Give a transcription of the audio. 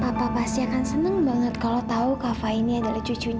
papa pasti akan senang banget kalau tahu kava ini adalah cucunya